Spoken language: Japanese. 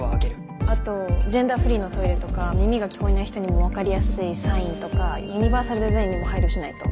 あとジェンダーフリーのトイレとか耳が聞こえない人にも分かりやすいサインとかユニバーサルデザインにも配慮しないと。